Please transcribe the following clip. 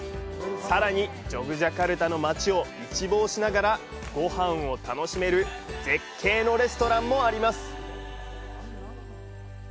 さらにジョグジャカルタの街を一望しながらごはんを楽しめる絶景のレストランもあります！